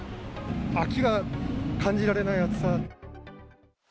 秋が感じられない暑さ。